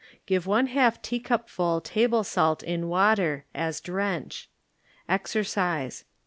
Give one half teacupful table salt in water, as drench. Exe"cise.